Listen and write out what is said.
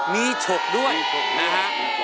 มีชกด้วยนะครับ